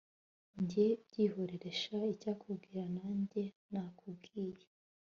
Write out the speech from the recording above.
Njye byihorere sha icyakubwira Nanjye nakubwiye